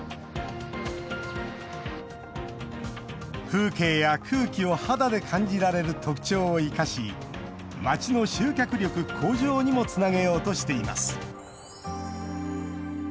風景や空気を肌で感じられる特徴を生かし街の集客力向上にもつなげようとしています。